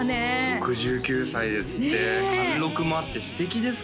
６９歳ですって貫禄もあって素敵ですね